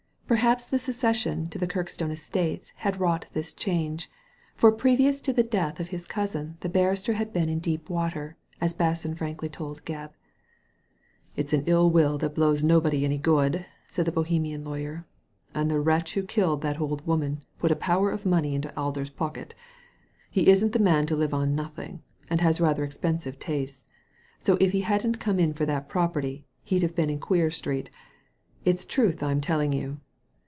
Perhaps the succession to the Kirkstone estates had wrought this change, for previous to the death of his cousin the barrister had been in deep water, as Basson frankly told Gebb. "It's an ill wind that blows nobody any good," said the Bohemian lawyer, ''and the wretch who killed that old woman put a power of money into Alder's pocket He isn't the man to live on nothing; and has rather expensive tastes ; so, if he hadn't come in for that property, he'd have been in Queer Street It's truth Fm telling you."